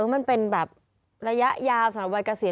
มันเป็นแบบระยะยาวสำหรับวัยเกษีย